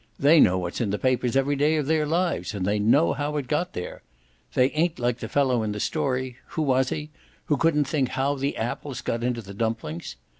They know what's in the papers every day of their lives and they know how it got there. They ain't like the fellow in the story who was he? who couldn't think how the apples got into the dumplings.